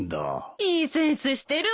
いいセンスしてるわね